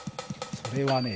それはね